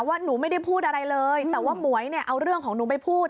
หนูไม่ได้พูดอะไรเลยแต่ว่าหมวยเนี่ยเอาเรื่องของหนูไปพูด